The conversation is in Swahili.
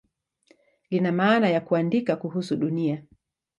Lina maana ya "kuandika kuhusu Dunia".